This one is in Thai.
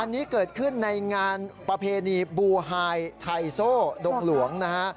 อันนี้เกิดขึ้นในงานประเพณีบูไฮไทโซ่ดงหลวงนะฮะ